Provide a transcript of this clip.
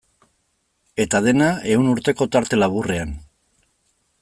Eta dena ehun urteko tarte laburrean.